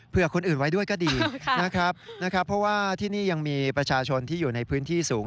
เพื่อคนอื่นไว้ด้วยก็ดีนะครับนะครับเพราะว่าที่นี่ยังมีประชาชนที่อยู่ในพื้นที่สูง